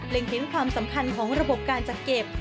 เห็นความสำคัญของระบบการจัดเก็บ